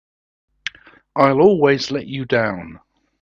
I'll always let you down!